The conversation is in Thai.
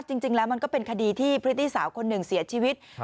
จริงแล้วมันก็เป็นคดีที่พฤติสาวคนหนึ่งเสียชีวิต